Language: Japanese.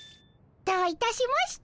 どういたしまして。